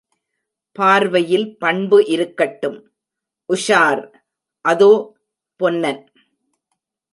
பார்வையில் பண்பு இருக்கட்டும், உஷார்! —அதோ பொன்னன்!